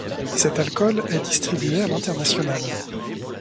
Cet alcool est distribué à l'international.